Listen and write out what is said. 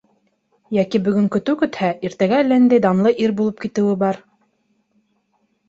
Йәки бөгөн көтөү көтһә, иртәгә әллә ниндәй данлы ир булып китеүе бар.